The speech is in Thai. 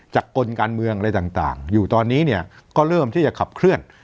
กลการเมืองอะไรต่างอยู่ตอนนี้เนี่ยก็เริ่มที่จะขับเคลื่อน